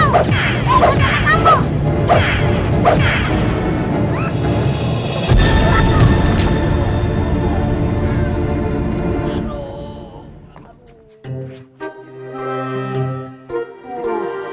biar kondama kamu